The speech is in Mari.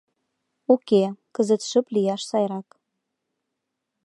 Уке, кызыт шып лияш сайрак.